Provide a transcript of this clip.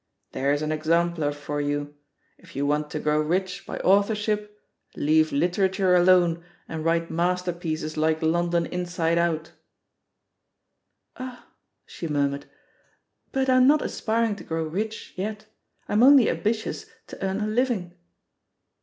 There's an exemplar for you — ^if you want to grow rich by authorship, leave liter ature alone and write masterpieces like London Inside Out/* "Ah I" she murmured. "But I'm not aspiring to grow rich yet, I'm only ambitious to earn a living."